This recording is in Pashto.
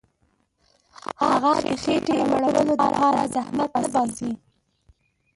هغه د خېټي مړولو دپاره زحمت نه باسي.